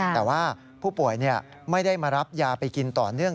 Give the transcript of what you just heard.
แต่ว่าผู้ป่วยไม่ได้มารับยาไปกินต่อเนื่อง